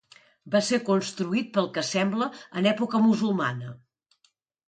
Va ser construït pel que sembla en l'època musulmana.